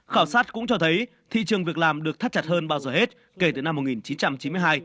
khảo sát cũng cho thấy thị trường việc làm được thắt chặt hơn bao giờ hết kể từ năm một nghìn chín trăm chín mươi hai